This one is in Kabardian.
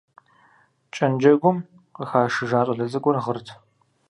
Кӏэнджэгум къыхашыжа щӏалэ цӏыкӏур гъырт.